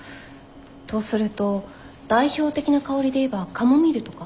とすると代表的な香りで言えばカモミールとか？